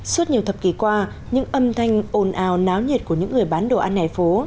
suốt nhiều thập kỷ qua những âm thanh ồn ào náo nhiệt của những người bán đồ ăn hẻ phố